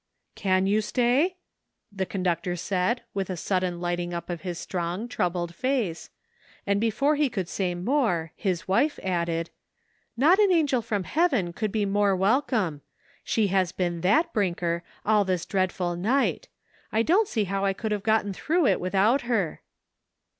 "Can you stay?" the conductor said, with a sudden lighting up of his strong, troubled face ; and before he could say more his .wife added, " Not an angel from heaven could be more wel come ; she has been that, Brinker, all this dread ful night. I don't see how I could have gotten through it without her."